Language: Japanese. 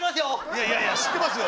いやいやいや知ってますよ。